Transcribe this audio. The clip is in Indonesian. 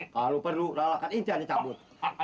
kalau perlu lalakan ini ande cabut